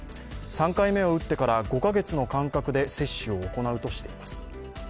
３回目を打ってから、５カ月の間隔で接種を行うとしています。